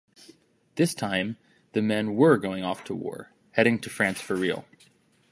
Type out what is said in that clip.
This time, the men "were" going off to war, heading to France for real.